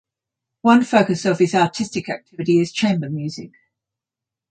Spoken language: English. One focus of his artistic activity is chamber music.